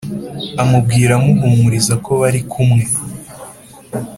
Amubwira amuhumuriza ko bari kumwekkmm.